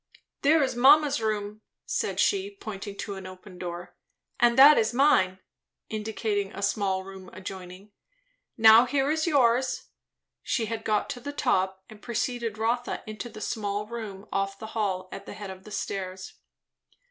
"There is mamma's room," said she, pointing to an open door; "and that is mine," indicating a small room adjoining; "now here is yours." She had got to the top, and preceded Rotha into the small room off the hall at the head of the stairs.